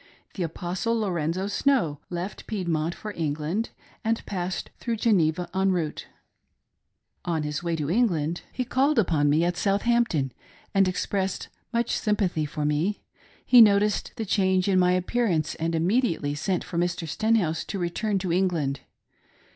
The Apostle Lorenzo Snow left Piedmont for England and passed through Geneva en route. On his way to London he called I lo HE UNITED. upon me at Southampton, and expressed much sympathy for me :— he noticed the change in my appearance, and immediately sent for Mr. Stenhouse to return to England.